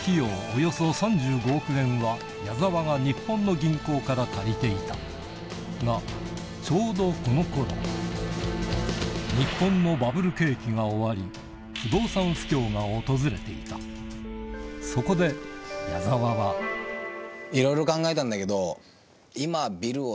およそ３５億円は矢沢が日本の銀行から借りていたがちょうどこの頃日本のバブル景気が終わり不動産不況が訪れていたそこで矢沢はいろいろ。